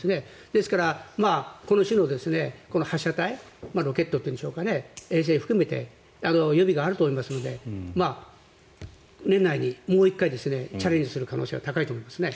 ですから、この種の発射体ロケットというんでしょうか衛星含めて予備があると思いますので年内にもう１回チャレンジする可能性は高いと思いますね。